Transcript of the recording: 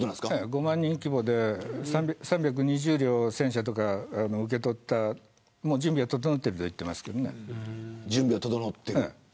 ５万人規模で３２０両の戦車とか準備は整っていると言っています。